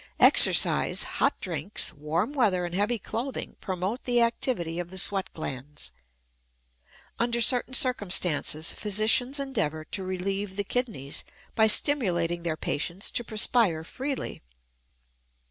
Exercise, hot drinks, warm weather, and heavy clothing promote the activity of the sweat glands. Under certain circumstances physicians endeavor to relieve the kidneys by stimulating their patients to perspire freely.